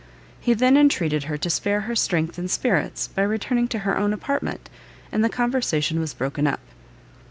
He then entreated her to spare her strength and spirits by returning to her own apartment, and the conversation was broken up.